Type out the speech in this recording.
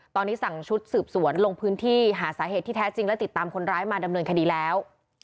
ตอนนี้สั่งชุดสืบสวนลงพื้นที่หาสาเหตุที่แท้จริงและติดตามคนร้ายมาดำเนินคดีแล้ว